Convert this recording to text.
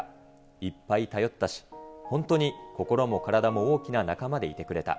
いっぱい頼ったし、本当に心も体も大きな仲間でいてくれた。